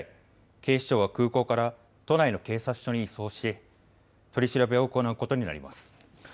警視庁は空港から都内の警察署に移送して取り調べを行うことになります。